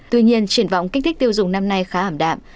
tuy nhiên triển vọng kích thích tiêu dùng năm nay khá ảm đạm